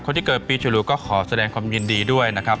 คนที่เกิดปีฉลูก็ขอแสดงความยินดีด้วยนะครับ